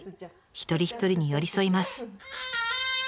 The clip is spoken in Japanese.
一人一人に寄り添います。